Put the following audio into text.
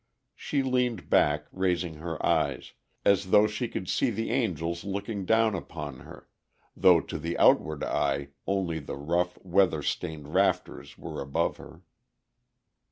She leaned back, raising her eyes, as though she could see the angels looking down upon her, though to the outward eye only the rough, weather stained rafters were above her.